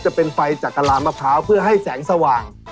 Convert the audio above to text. จะเป็นไฟจากกระลามะพร้าวเพื่อให้แสงสว่าง